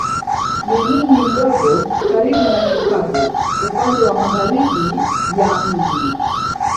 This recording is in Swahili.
Ni mji mdogo karibu na Chicago upande wa magharibi ya mji.